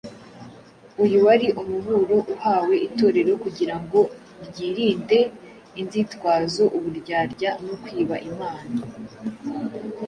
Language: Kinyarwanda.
Uyu wari umuburo uhawe Itorero kugira ngo ryirinde inzitwazo, uburyarya no kwiba Imana.